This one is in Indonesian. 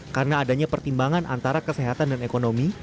karena adanya pertimbangan antara kesehatan dan ekonomi